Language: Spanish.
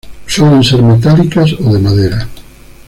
Suelen ser metálicas o de madera.